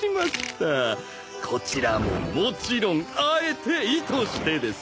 こちらももちろんあえて意図してです。